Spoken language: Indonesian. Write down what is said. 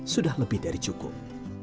sudah lebih dari cukup